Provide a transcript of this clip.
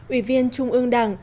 ủy viên trung ương đảng